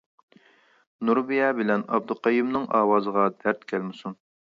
نۇربىيە بىلەن ئابدۇقەييۇمنىڭ ئاۋازىغا دەرد كەلمىسۇن.